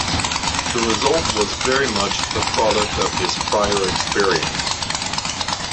The result was very much the product of his prior experience.